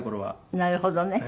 なるほどね。